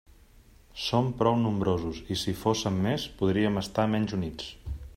Som prou nombrosos, i si fóssem més, podríem estar menys units.